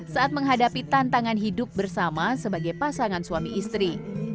saat menghadapi tantangan hidup bersama sebagai pasangan suami istri